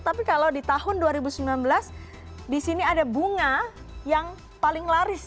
tapi kalau di tahun dua ribu sembilan belas di sini ada bunga yang paling laris